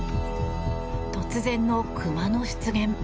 突然のクマの出現。